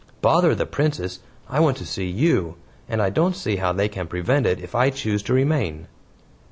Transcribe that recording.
"Bother the Princess! I want to see YOU. And I don't see how they can prevent it if I choose to remain."